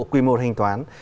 quy mô hành toán